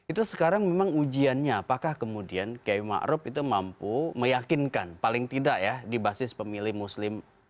itu sekarang memang ujiannya apakah kemudian kay ma'ruf itu mampu meyakinkan paling tidak ya di basis pemilih muslim